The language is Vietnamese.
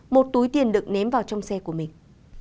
một túi tiền được ném vào trong xe của mình